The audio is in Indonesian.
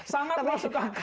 sangat masuk akal